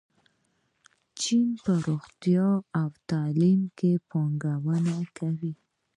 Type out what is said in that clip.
چین په روغتیا او تعلیم کې پانګونه کوي.